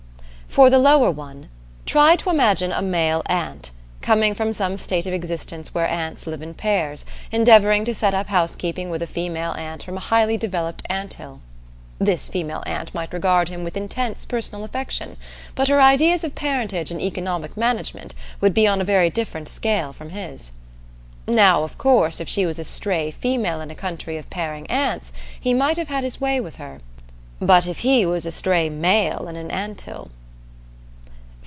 For the lower one, try to imagine a male ant, coming from some state of existence where ants live in pairs, endeavoring to set up housekeeping with a female ant from a highly developed anthill. This female ant might regard him with intense personal affection, but her ideas of parentage and economic management would be on a very different scale from his. Now, of course, if she was a stray female in a country of pairing ants, he might have had his way with her; but if he was a stray male in an anthill